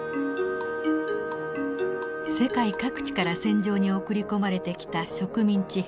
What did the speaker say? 世界各地から戦場に送り込まれてきた植民地兵。